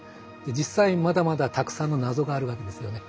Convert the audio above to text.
実際まだまだたくさんの謎があるわけですよね。